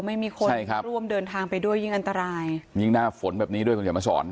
ไม่มีคนใช่ครับร่วมเดินทางไปด้วยยิ่งอันตรายยิ่งหน้าฝนแบบนี้ด้วยคุณเขียนมาสอน